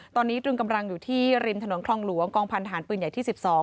ตอนนี้ตรึงกำลังอยู่ที่ริมถนนคลองหลวงกองพันธารปืนใหญ่ที่๑๒